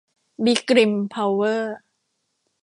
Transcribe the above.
บี กริม เพาเวอร์